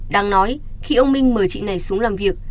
đang nói khi ông minh mời chị này xuống làm việc